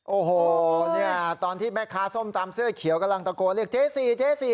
โอ้โหเนี่ยตอนที่แม่ค้าส้มตำเสื้อเขียวกำลังตะโกนเรียกเจ๊สี่เจ๊สี่